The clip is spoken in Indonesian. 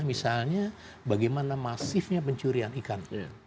misalnya bagaimana masifnya pencurian ikan